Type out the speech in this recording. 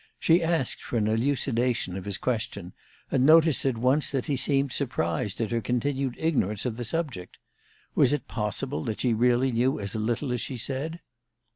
She asked for an elucidation of his question, and noticed at once that he seemed surprised at her continued ignorance of the subject. Was it possible that she really knew as little as she said?